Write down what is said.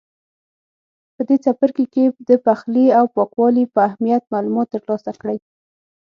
په دې څپرکي کې د پخلي او پاکوالي په اهمیت معلومات ترلاسه کړئ.